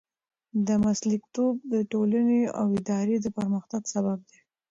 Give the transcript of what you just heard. مسلکیتوب د ټولنې او ادارې د پرمختګ سبب دی.